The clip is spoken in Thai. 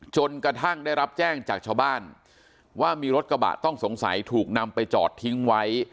จนกระทั่งได้รับแจ้งจากชาวบ้านว่ามีรถกระบะต้องสงสัยถูกนำไปจอดทิ้งไว้